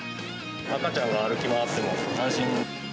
赤ちゃんが歩き回っても安心。